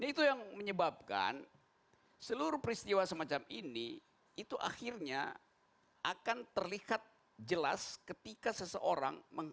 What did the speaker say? itu yang menyebabkan seluruh peristiwa semacam ini itu akhirnya akan terlihat jelas ketika seseorang